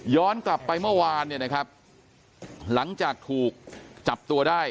กลับไปเมื่อวานเนี่ยนะครับหลังจากถูกจับตัวได้